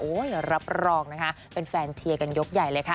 รับรองนะคะเป็นแฟนเชียร์กันยกใหญ่เลยค่ะ